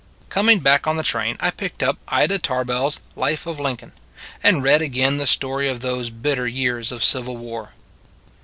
Coming back on the train, I picked up Ida Tarbell s "Life of Lincoln," and read again the story of those bitter years of Civil War.